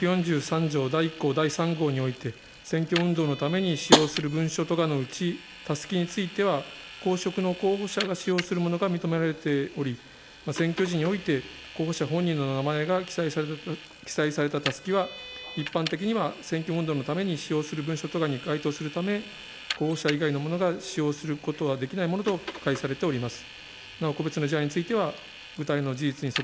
第１項第３号において、選挙運動のために使用する文書とがのうち、たすきについては公職の候補者が使用するのを認められており、選挙時において、候補者本人の名前が記載されたたすきは一般的には選挙運動のために使用するに該当するため、候補者以外の者が使用することはできないものと解されております。